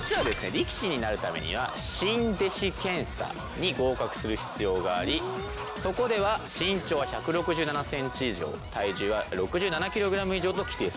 力士になるためには新弟子検査に合格する必要がありそこでは身長は１６７ｃｍ以上体重は６７ｋｇ以上と規定されています。